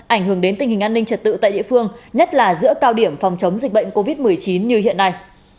ảnh hưởng đến tình hình an ninh trật tự tại địa phương nhất là giữa cao điểm phòng chống dịch bệnh covid một mươi chín như hiện nay